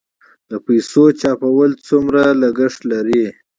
د پیسو چاپول څومره لګښت لري؟